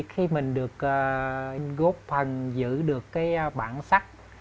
khi mình được góp phần giữ được cái bản sắc